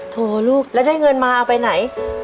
โถลูกแล้วได้เงินมาเอาไปไหน